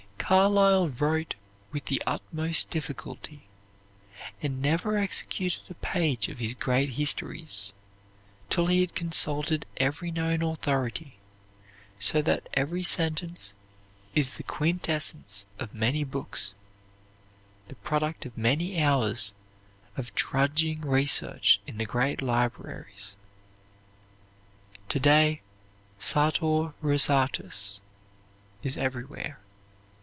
Carlyle wrote with the utmost difficulty and never executed a page of his great histories till he had consulted every known authority, so that every sentence is the quintessence of many books, the product of many hours of drudging research in the great libraries. Today, "Sartor Resartus" is everywhere.